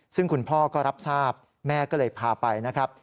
ซึ่งคุณพ่อก็รับทราบแม่ก็เลยพาไปนะครับ